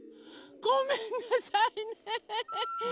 ごめんなさいね。